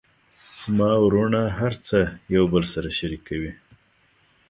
زما وروڼه هر څه یو بل سره شریکوي